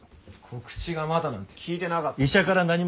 告知がまだなんて聞いてなかったんですよ。